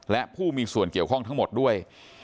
และผู้มีส่วนเกี่ยวข้องทั้งหมดด้วย